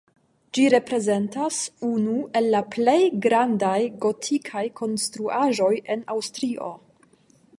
Ĝi reprezentas unu el la plej grandaj gotikaj konstruaĵoj en Aŭstrio.